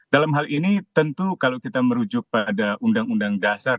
dalam hal ini tentu kalau kita merujuk pada undang undang dasar